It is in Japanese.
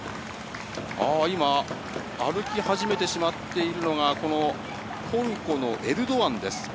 今、歩き始めてしまっているのが、このトルコのエルドアンです。